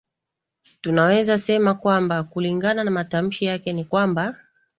tunaweza sema kwamba kulingana na matamshi yake ni kwamba